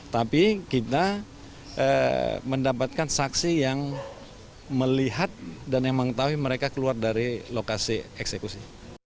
tapi kita mendapatkan saksi yang melihat dan yang mengetahui mereka keluar dari lokasi eksekusi